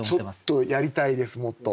ちょっとやりたいですもっと。